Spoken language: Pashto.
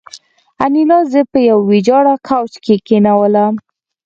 انیلا زه په یوه ویجاړ کوچ کې کېنولم